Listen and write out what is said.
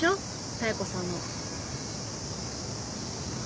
妙子さんも。